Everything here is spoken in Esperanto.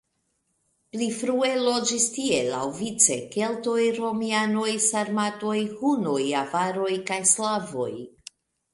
Pli frue loĝis tie laŭvice keltoj, romianoj, sarmatoj, hunoj, avaroj kaj slavoj.